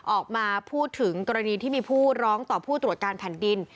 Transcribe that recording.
ออกมาพูดถึงกรณีที่มีผู้ร้องต่อผู้ตรวจการแผ่นดิน